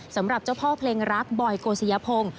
สำหรับเจ้าพ่อเพลงรักบอยโกศิยพงศ์